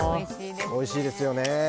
おいしいですよね。